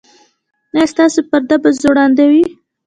ایا ستاسو پرده به ځوړنده وي؟